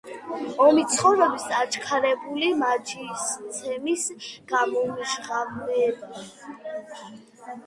ომი ცხოვრების აჩქარებული მაჯისცემის გამომჟღავნებაა.